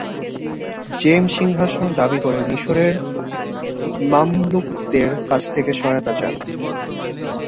জেম সিংহাসন দাবি করে মিশরের মামলুকদের কাছ থেকে সহায়তা চান।